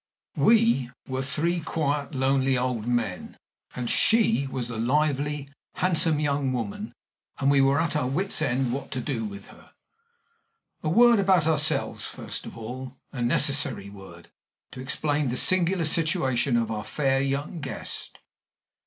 WE were three quiet, lonely old men, and SHE was a lively, handsome young woman, and we were at our wits' end what to do with her. A word about ourselves, first of all a necessary word, to explain the singular situation of our fair young guest.